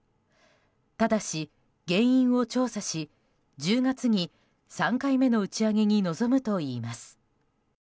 ただし、原因を調査し１０月に３回目の打ち上げに臨むといいます。